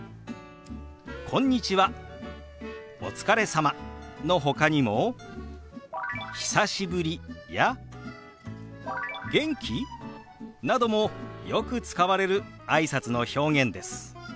「こんにちは」「お疲れ様」のほかにも「久しぶり」や「元気？」などもよく使われるあいさつの表現です。